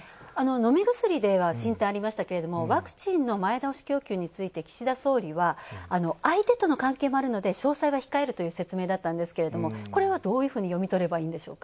飲み薬では進展ありましたけど、ワクチンの前倒し供給については岸田総理は、相手との関係もあるので詳細は控えるという説明だったんですけどこれは、どういうふうに読み取ればいいんでしょうか。